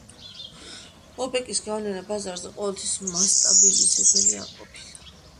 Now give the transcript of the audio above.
ოპეკის გავლენა ბაზარზე ყოველთვის მასტაბილიზებელი არ ყოფილა.